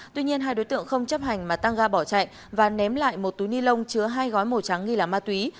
tuy nhiên hai đối tượng không chấp hành mà tăng ga bỏ chạy và ném lại một túi ni lông chứa hai gói màu trắng nghi là ma túy